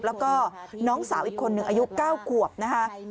แล้วก็น้องสาวอีกคนหนึ่งอายุ๙ขวบนะคะ